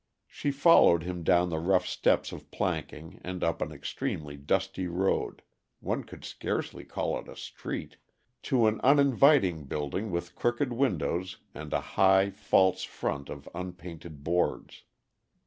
She followed him down the rough steps of planking and up an extremely dusty road one could scarcely call it a street to an uninviting building with crooked windows and a high, false front of unpainted boards.